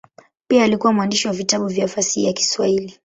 Pia alikuwa mwandishi wa vitabu vya fasihi ya Kiswahili.